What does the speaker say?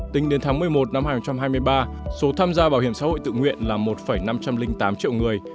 tính đến tháng một mươi một năm hai nghìn hai mươi ba số tham gia bảo hiểm xã hội tự nguyện là một năm trăm linh tám triệu người